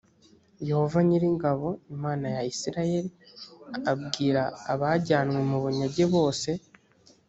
yehova nyir ingabo imana ya isirayeli abwira abajyanywe mu bunyage bose